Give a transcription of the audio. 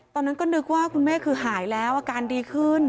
ตอนนั้นก็นึกว่าคุณแม่คือหายแล้วอาการดีขึ้น